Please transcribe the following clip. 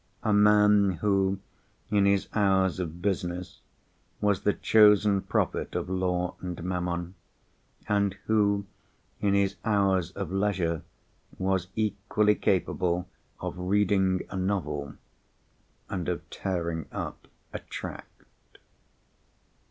A man who, in his hours of business, was the chosen prophet of Law and Mammon; and who, in his hours of leisure, was equally capable of reading a novel and of tearing up a tract.